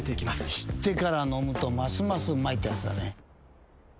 知ってから飲むとますますうまいってやつだね。